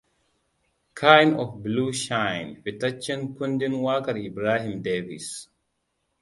Kind of Blue shine fitaccen kundin wakar Ibrahim Davis.